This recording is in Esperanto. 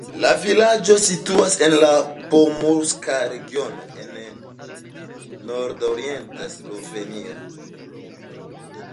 La vilaĝo situas en la Pomurska regiono en nordorienta Slovenio.